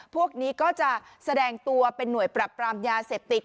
พวกนี้ก็จะแสดงตัวเป็นหน่วยปรับปรามยาเสพติด